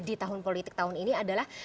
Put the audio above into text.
di tahun politik tahun ini adalah